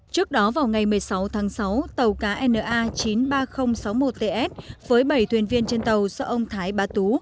trước đó vào ngày một mươi sáu tháng sáu tàu cá na chín mươi ba nghìn sáu mươi một ts với bảy thuyền viên trên tàu do ông thái bá tú